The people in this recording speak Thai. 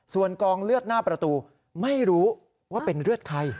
ส่วนกองเลือดหน้าประตูไม่รู้ว่าเป็นเลือดใคร